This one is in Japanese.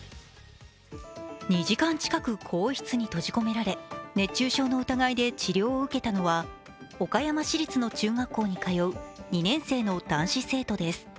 ２時間近く更衣室に閉じ込められ熱中症の疑いで治療を受けたのは岡山市立の中学校に通う２年生の男子生徒です。